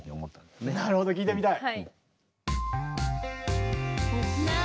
なるほど聴いてみたい！